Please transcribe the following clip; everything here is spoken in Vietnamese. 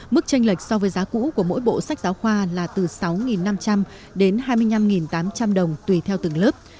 mức tranh lệch so với giá cũ của mỗi bộ sách giáo khoa là từ sáu năm trăm linh đến hai mươi năm tám trăm linh đồng tùy theo từng lớp